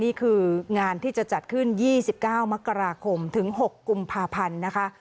นี่คืองานที่จะจัดขึ้นยี่สิบเก้ามกราคมถึงหกกุมภาพันธ์นะคะ